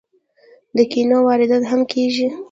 د کینو واردات هم کیږي.